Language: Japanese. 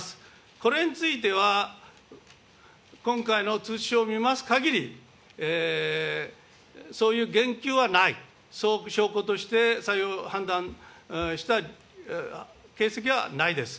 これについては、今回の通知書を見ますかぎり、そういう言及はない、そう証拠としてそういう判断をした形跡はないです。